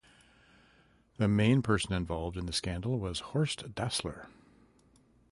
The main person involved in the scandal was Horst Dassler.